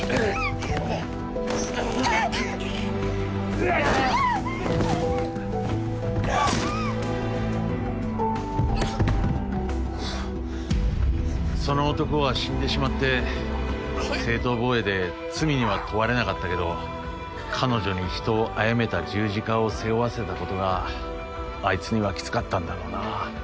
チャイム宮原さんハァあぁうっその男は死んでしまって正当防衛で罪には問われなかったけど彼女に人をあやめた十字架を背負わせたことがあいつにはきつかったんだろうな。